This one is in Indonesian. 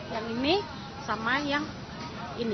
yang ini sama yang ini